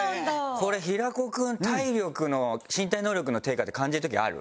これ平子君体力の身体能力の低下って感じる時ある？